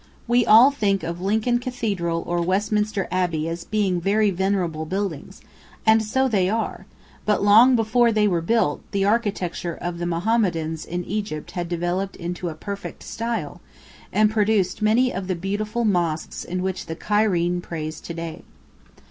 We all think of Lincoln Cathedral or Westminster Abbey as being very venerable buildings, and so they are; but long before they were built the architecture of the Mohammedans in Egypt had developed into a perfect style, and produced many of the beautiful mosques in which the Cairene prays to day.